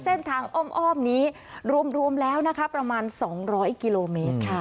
เส้นทางอ้อมนี้รวมแล้วนะคะประมาณ๒๐๐กิโลเมตรค่ะ